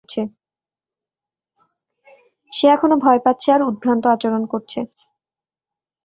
সে এখনো ভয় পাচ্ছে আর উদভ্রান্ত আচরণ করছে।